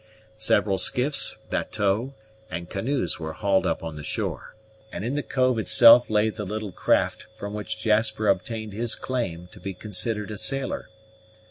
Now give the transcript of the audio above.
Several skiffs, bateaux, and canoes were hauled up on the shore, and in the cove itself lay the little craft from which Jasper obtained his claim to be considered a sailor.